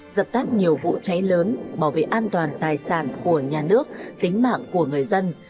dập tắt nhiều vụ cháy lớn bảo vệ an toàn tài sản của nhà nước tính mạng của người dân